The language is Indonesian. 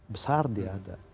besar dia ada